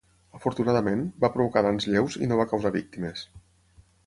Afortunadament, va provocar danys lleus i no va causar víctimes.